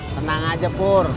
tenang aja pur